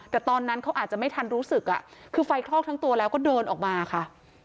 แต่ตอนนั้นเขาอาจจะไม่ทันรู้สึกคือไฟคลอกทั้งตัวแล้วก็เดินออกมาค่ะ